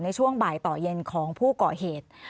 ในช่วงบ่ายต่อเย็นของผู้ก่อเหตุ